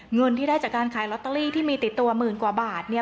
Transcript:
เงินที่ได้จากการขายลอตเตอรี่ที่มีติดตัวหมื่นกว่าบาทเนี่ย